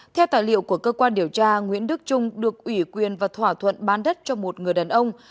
theo tài liệu của cơ quan điều tra nguyễn đức trung được ủy quyền và thỏa thuận bán đất cho một người đàn ông